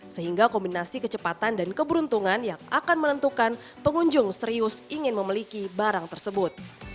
sehingga kombinasi kecepatan dan keberuntungan yang akan menentukan pengunjung serius ingin memiliki barang tersebut